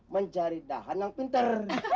mencari dahan yang pinter